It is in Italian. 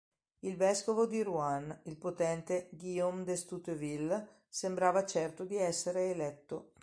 Il vescovo di Rouen, il potente Guillaume d'Estouteville, sembrava certo di essere eletto.